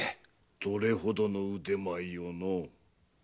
どれほどの腕前よのう。